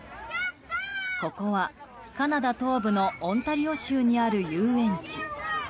ここはカナダ東部のオンタリオ州にある遊園地。